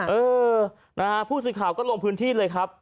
เออพูดสิทธิ์ข่าวก็ลงพื้นที่เลยครับ